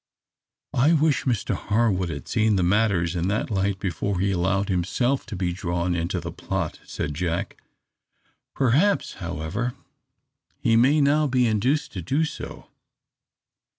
"I wish Mr Harwood had seen matters in that light before he allowed himself to be drawn into the plot!" said Jack. "Perhaps, however, he may now be induced to do so.